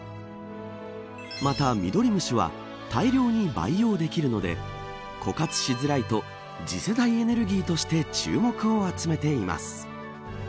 またミドリムシは大量に培養できるので枯渇しづらいと次世代エネルギーとして注目を集めています。